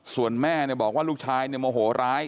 ส่วนแม่บอกว่าลูกชายโมโหร้าย